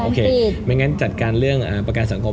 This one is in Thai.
ไม่งั้นจัดการเรื่องประกันสังคม